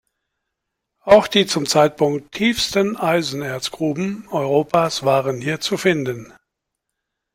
Auch die zum Zeitpunkt tiefsten Eisenerzgruben Europas waren hier zu finden.